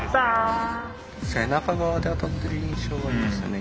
背中側で当たってる印象がありますね